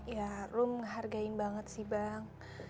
ya rum hargain banget sih bang